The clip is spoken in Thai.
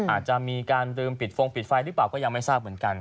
อาจจะมีการลืมปิดฟงปิดไฟหรือเปล่าก็ยังไม่ทราบเหมือนกัน